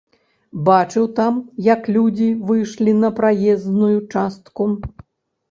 Бачыў там, як людзі выйшлі на праезную частку.